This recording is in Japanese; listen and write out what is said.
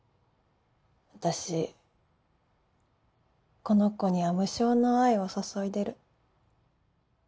私この子には無償の愛を注いでる。